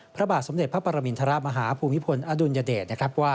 พระบาทสมเด็จพระปรมินทรมาฮาภูมิพลอดุลยเดช